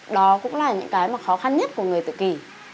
đó cũng là những cái mà khó khăn nhất của người tự kỷ